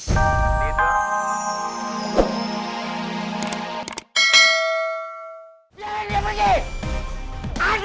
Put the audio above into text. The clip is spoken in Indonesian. jangan dia pergi